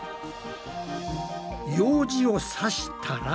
ようじをさしたら。